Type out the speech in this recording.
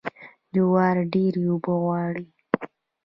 جوار ډیرې اوبه غواړي.